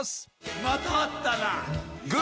また会ったな。